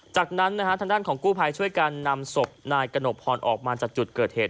จากนั้นทางด้านของกู้ภัยช่วยกันนำศพนายกระหนกพรออกมาจากจุดเกิดเหตุ